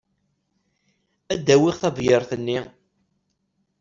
Ad d-awiɣ tabyirt-nni.